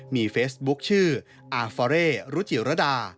มีเฟซบุ๊คชื่ออาฟาเร่รุจิรดา